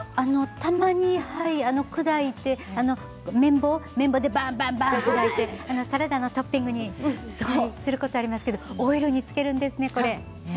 たまに砕いて麺棒でばんばんと砕いてサラダのトッピングにすることありますけどオイルに漬けるんですね、これ。